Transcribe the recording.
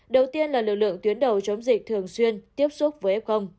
đầu tiên là lực lượng tuyến đầu chống dịch thường xuyên tiếp xúc với f